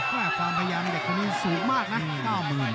แต่ค่อยความพยายามเด็กคนนี้สูงมากนะ๙หมื่น